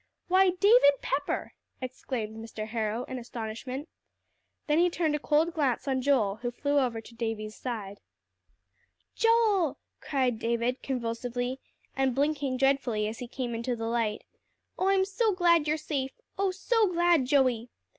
"Why, David Pepper!" exclaimed Mr. Harrow in astonishment. Then he turned a cold glance on Joel, who flew over to Davie's side. "Joel!" cried David convulsively, and blinking dreadfully as he came into the light. "Oh, I'm so glad you're safe oh, so glad, Joey!"